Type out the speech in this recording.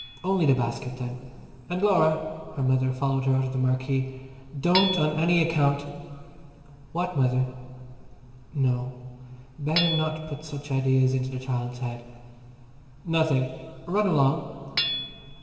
"Only the basket, then. And, Laura!"—her mother followed her out of the marquee—"don't on any account—" "What mother?" No, better not put such ideas into the child's head! "Nothing! Run along."